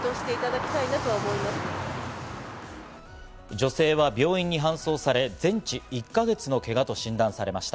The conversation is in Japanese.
女性は病院に搬送され、全治１か月のけがと診断されました。